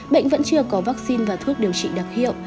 bệnh vẫn chưa có vaccine và thuốc điều trị đặc hiệu